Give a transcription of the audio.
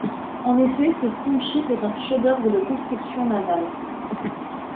En effet, ce steam-ship est un chef-d’œuvre de construction navale.